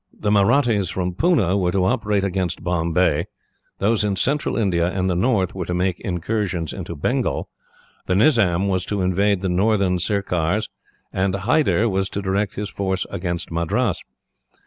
"The Mahrattis from Poonah were to operate against Bombay; those in Central India and the north were to make incursions into Bengal; the Nizam was to invade the Northern Circars; and Hyder was to direct his force against Madras.